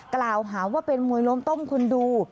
กล่าวหาว่าเป็นมวยล้มต้มคนดู